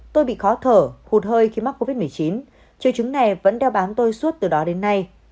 tôi bị khó thở hụt hơi khi mắc covid một mươi chín triệu chứng này vẫn đeo bám tôi suốt từ đó đến nay